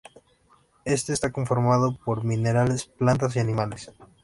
Este está conformado por minerales, plantas y animales.